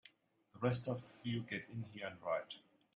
The rest of you get in here and riot!